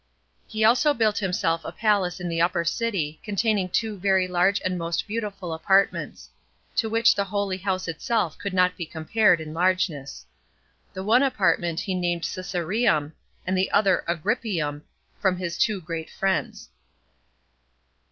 He also built himself a palace in the Upper city, containing two very large and most beautiful apartments; to which the holy house itself could not be compared [in largeness]. The one apartment he named Caesareum, and the other Agrippium, from his [two great] friends.